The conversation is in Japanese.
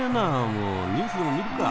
もうニュースでも見るか。